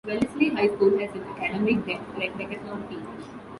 Wellesley High School has an Academic Decathlon team.